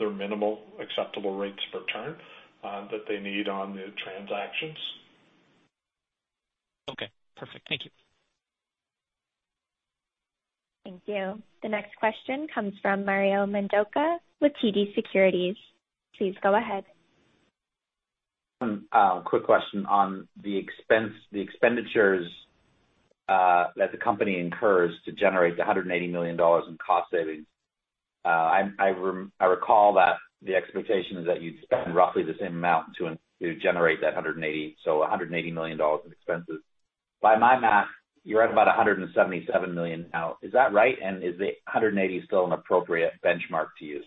their minimal acceptable rates of return that they need on the transactions. Okay, perfect. Thank you. Thank you. The next question comes from Mario Mendonca with TD Securities. Please go ahead. A quick question on the expenditures that the company incurs to generate the 180 million dollars in cost savings. I recall that the expectation is that you'd spend roughly the same amount to generate that 180, so 180 million dollars in expenses. By my math, you're at about 177 million now. Is that right? Is 180 still an appropriate benchmark to use?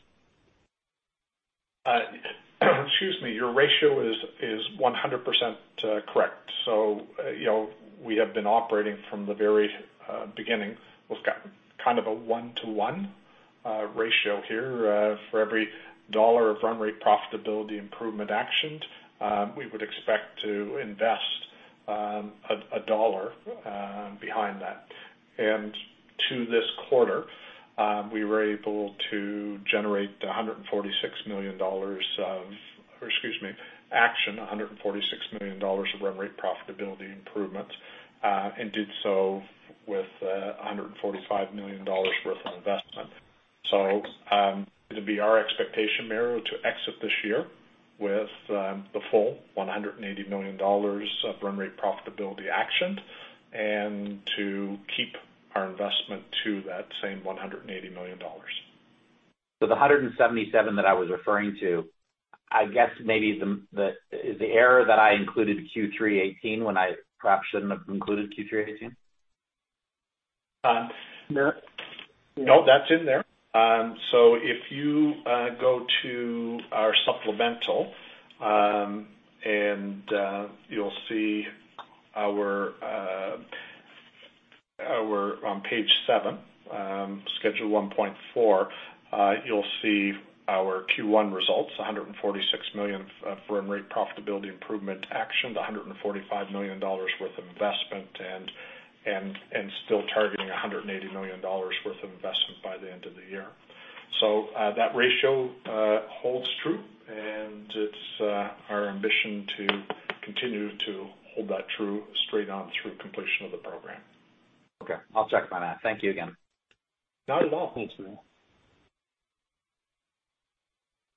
Excuse me. Your ratio is 100% correct. We have been operating from the very beginning with kind of a 1:1 ratio here. For every CAD 1 of run rate profitability improvement actioned, we would expect to invest CAD 1 behind that. To this quarter, we were able to action 146 million dollars of run rate profitability improvement, and did so with 145 million dollars worth of investment. It'll be our expectation, Mario, to exit this year with the full 180 million dollars of run rate profitability actioned and to keep our investment to that same 180 million dollars. The 177 that I was referring to, I guess maybe the error that I included Q3 2018 when I perhaps shouldn't have included Q3 2018? No, that's in there. If you go to our supplemental, and you'll see on page seven, schedule 1.4, you'll see our Q1 results, 146 million of foreign rate profitability improvement action, the 145 million dollars worth of investment and still targeting 180 million dollars worth of investment by the end of the year. That ratio holds true, and it's our ambition to continue to hold that true straight on through completion of the program. Okay. I'll check on that. Thank you again. Not at all. Thanks, Mario.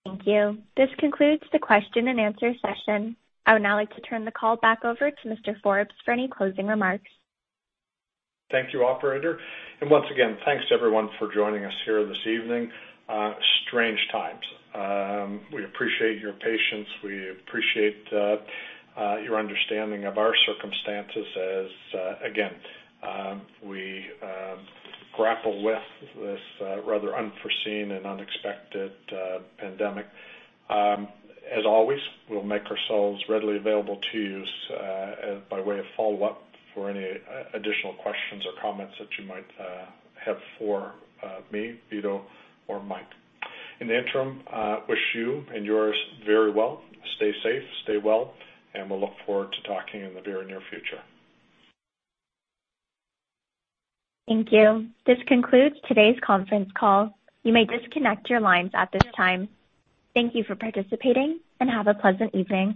Thank you. This concludes the question-and-answer session. I would now like to turn the call back over to Mr. Forbes for any closing remarks. Thank you, operator. Once again, thanks to everyone for joining us here this evening. Strange times. We appreciate your patience. We appreciate your understanding of our circumstances as, again, we grapple with this rather unforeseen and unexpected pandemic. As always, we'll make ourselves readily available to you by way of follow-up for any additional questions or comments that you might have for me, Vito, or Mike. In the interim, I wish you and yours very well. Stay safe, stay well, and we'll look forward to talking in the very near future. Thank you. This concludes today's conference call. You may disconnect your lines at this time. Thank you for participating and have a pleasant evening.